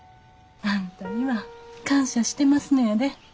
あんたには感謝してますのやで。